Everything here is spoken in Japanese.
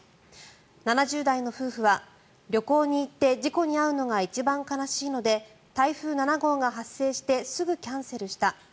７０代の夫婦は、旅行に行って事故に遭うのが一番悲しいので台風７号が発生してすぐキャンセルした。